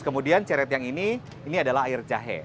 kemudian ceret yang ini ini adalah air jahe